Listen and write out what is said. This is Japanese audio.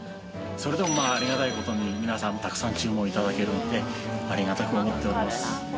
それでもありがたい事に皆さんたくさん注文頂けるのでありがたく思っております。